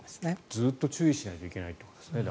ずっと注意しないといけないということですね。